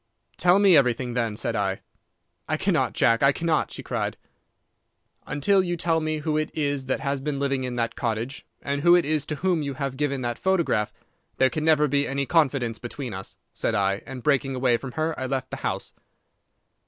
"'Tell me everything, then,' said I. "'I cannot, Jack, I cannot,' she cried. "'Until you tell me who it is that has been living in that cottage, and who it is to whom you have given that photograph, there can never be any confidence between us,' said I, and breaking away from her, I left the house.